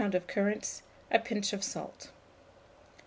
of currants, a pinch of salt.